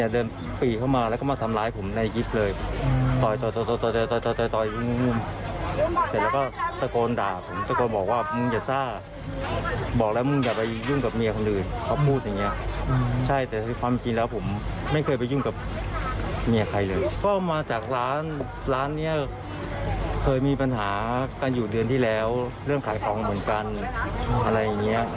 เดินปีดเข้ามาแล้วก็มาทำร้ายผมในยิปเลย